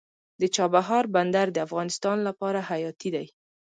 د چابهار بندر د افغانستان لپاره حیاتي دی